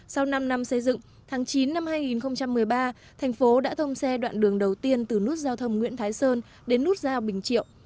sau năm năm xây dựng tháng chín năm hai nghìn một mươi ba thành phố đã thông xe đoạn đường đầu tiên từ nút giao thông nguyễn thái sơn đến nút giao bình triệu